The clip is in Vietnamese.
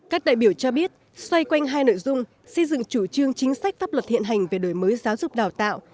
các đại biểu cho biết xoay quanh hai nội dung xây dựng chủ trương chính sách pháp luật hiện hành về đổi mới giáo dục đào tạo